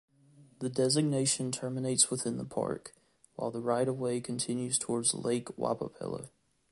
The designation terminates within the park, while the right-of-way continues towards Lake Wappapello.